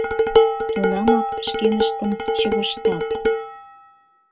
Тунамак шкеныштым чывыштат.